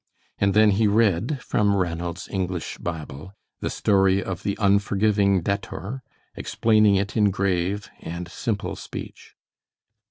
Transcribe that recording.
And then he read from Ranald's English Bible the story of the unforgiving debtor, explaining it in grave and simple speech.